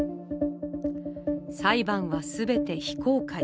裁判は全て非公開。